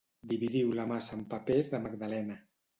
Dividiu la massa en papers de magdalena.